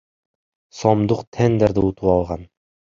сомдук тендерди утуп алган.